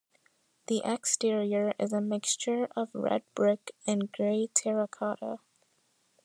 The exterior is a mixture of red brick and grey terracotta.